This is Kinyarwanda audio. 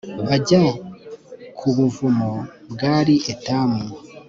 bajya ku buvumo bwari etamu